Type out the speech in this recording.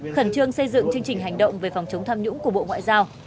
khẩn trương xây dựng chương trình hành động về phòng chống tham nhũng của bộ ngoại giao